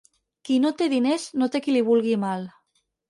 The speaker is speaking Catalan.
Qui no té diners, no té qui li vulgui mal.